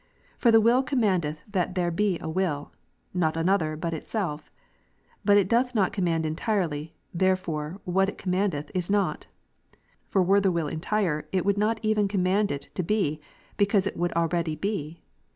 For the will commandeth that there be a will ; not another, but itself. But it doth not command entirely, therefore what it comV} mandeth, is not. For were the Avill entire, it would not even command it to be, because it would already be.